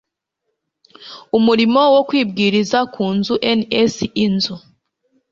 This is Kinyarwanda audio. murimo wo kubwiriza ku nzu ns inzu